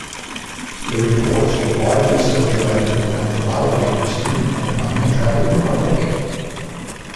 The reports were widely circulated around the railway industry, and among the travelling public.